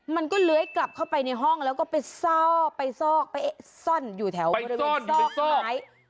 มันก็เลื้อยกลับเข้าไปในห้องแล้วก็ไปซอกไปซอกไปซ่อนอยู่แถวบริเวณซอกไม้